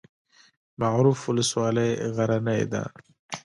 معروف ولسوالۍ غرنۍ ده؟